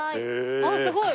あっすごい！